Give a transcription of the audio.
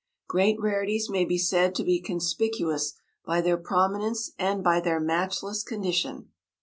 Great rarities may be said to be conspicuous by their prominence and by their matchless condition.